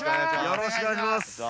よろしくお願いします